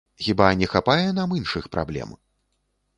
Хіба не хапае нам іншых праблем?